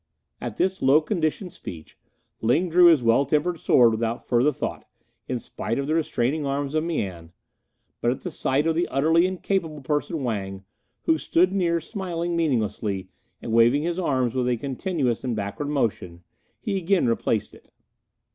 At this low conditioned speech, Ling drew his well tempered sword without further thought, in spite of the restraining arms of Mian, but at the sight of the utterly incapable person Wang, who stood near smiling meaninglessly and waving his arms with a continuous and backward motion, he again replaced it.